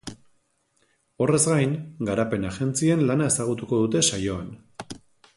Horrez gain, garapen agentzien lana ezagutuko dute saioan.